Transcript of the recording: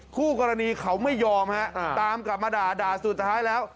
คู่กรณีเขาไม่ยอมฮะตามกลับมาด่าสุดท้ายแล้ว